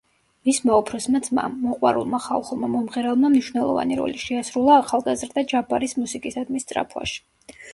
მისმა უფროსმა ძმამ, მოყვარულმა ხალხურმა მომღერალმა მნიშვნელოვანი როლი შეასრულა ახალგაზრდა ჯაბარის მუსიკისადმი სწრაფვაში.